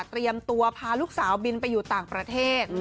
เตรียมตัวพาลูกสาวบินไปอยู่ต่างประเทศ